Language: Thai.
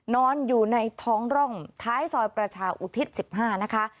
นอนอยู่ในท้องร่องท้ายซอยประชาอุทิศ๑๕นะคะ